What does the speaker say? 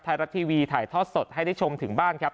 ไทยรัฐทีวีถ่ายทอดสดให้ได้ชมถึงบ้านครับ